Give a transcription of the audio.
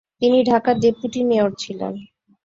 তিনি ঢাকার deputy mayor ছিলেন।